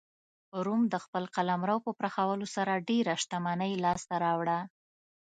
روم د خپل قلمرو په پراخولو سره ډېره شتمنۍ لاسته راوړه.